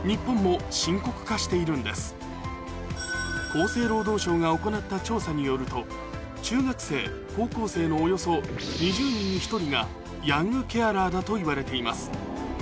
厚生労働省が行った調査によると中学生高校生のヤングケアラーだといわれています